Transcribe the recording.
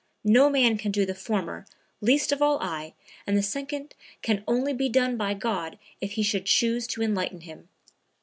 No man could do the former, least of all I, and the second can only be done by God if He should choose to enlighten him."